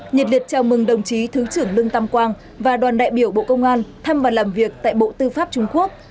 nhật liệt chào mừng đồng chí thứ trưởng lương tam quang và đoàn đại biểu bộ công an thăm và làm việc tại bộ tư pháp trung quốc